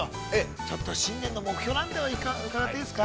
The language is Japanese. ちょっと新年の目標なんての伺っていいですか？